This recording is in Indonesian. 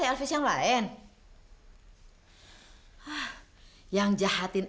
jika aku mengalahkan elvis